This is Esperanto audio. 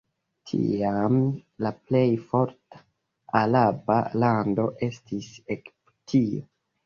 Tiam, la plej forta araba lando estis Egiptio.